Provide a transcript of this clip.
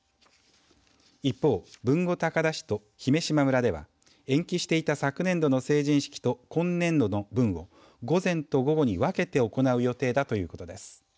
一方、豊後高田市と姫島村では延期していた昨年度の成人式と今年度の分を午前と午後に分けて行う予定だということです。